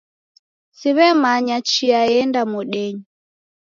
Siw'emanya chia eenda modenyi